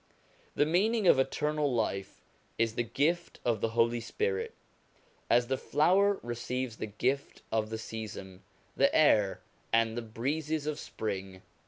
The meaning of eternal life is the gift of the Holy Spirit, as the flower receives the gift of the season, the air, and the breezes of spring.